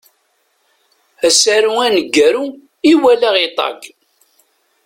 Asaru aneggaru i walaɣ iṭag.